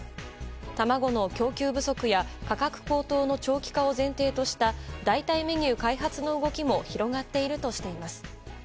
卵の供給不足や価格高騰の長期化を前提とした代替メニュー開発の動きも広がっているとしています。